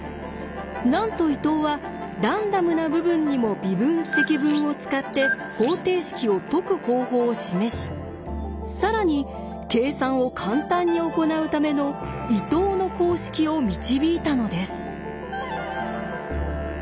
なんと伊藤はランダムな部分にも微分・積分を使って方程式を解く方法を示し更に計算を簡単に行うための「伊藤の公式」を導いたのです。